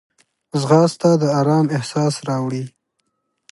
ځغاسته د آرام احساس راوړي